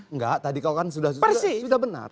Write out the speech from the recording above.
enggak tadi kalau kan sudah benar